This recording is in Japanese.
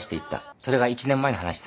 それが１年前の話さ。